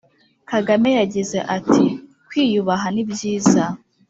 Kagame yagize ati”kwiyubaha nibyiza”